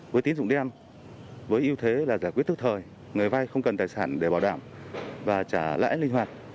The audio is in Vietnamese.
với tín dụng đen với ưu thế là giải quyết thức thời người vay không cần tài sản để bảo đảm và trả lãi linh hoạt